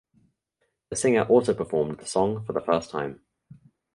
The singer also performed the song for the first time.